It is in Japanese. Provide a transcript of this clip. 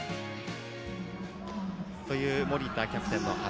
という森田キャプテンの話。